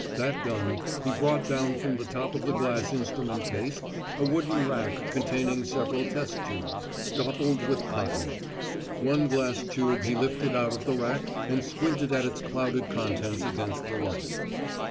That done, he brought down from the top of the glass instrument case a wooden rack containing several test tubes, stoppled with cotton. One glass tube he lifted out of the rack and squinted at its clouded contents against the light.